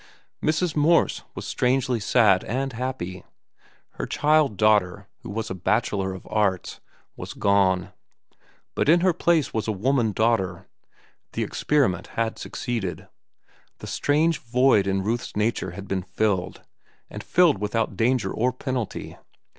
Mrs. Morse was strangely sad and happy. Her child daughter, who was a bachelor of arts, was gone; but in her place was a woman daughter. The experiment had succeeded. The strange void in Ruth's nature had been filled, and filled without danger or penalty.